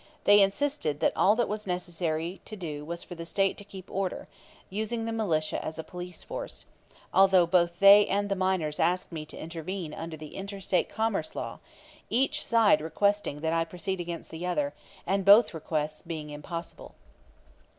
They insisted that all that was necessary to do was for the State to keep order, using the militia as a police force; although both they and the miners asked me to intervene under the Inter State Commerce Law, each side requesting that I proceed against the other, and both requests being impossible.